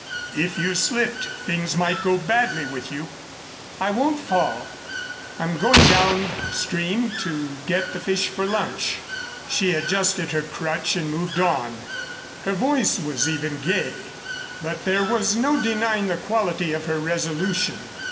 "If you slipped, things might go badly with you." "I won't fall. I'm going down stream to get the fish for lunch." She adjusted her crutch and moved on. Her voice was even gay, but there was no denying the quality of her resolution.